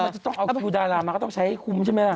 จะต้องเอามูดอารามาก็ต้องใช้คุมใช่ไหมพี่